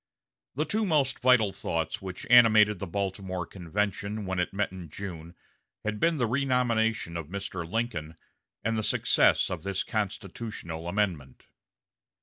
The two most vital thoughts which animated the Baltimore convention when it met in June had been the renomination of Mr. Lincoln and the success of this constitutional amendment.